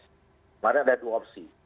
kemarin ada dua opsi